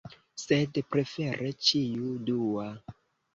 Sed prefere ĉiu dua.